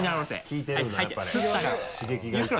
効いてるんだやっぱり。